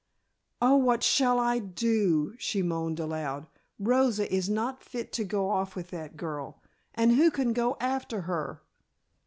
"Oh, what shall I do!" she moaned aloud. "Rosa is not fit to go off with that girl. And who can go after her?"